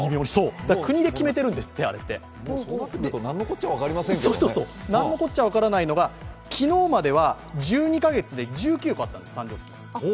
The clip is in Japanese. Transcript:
国で決めてるんですって、あれって何のこっちゃ分からないのが昨日までは１２カ月で誕生石が１９個あったんです。